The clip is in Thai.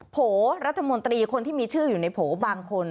โผล่รัฐมนตรีคนที่มีชื่ออยู่ในโผล่บางคน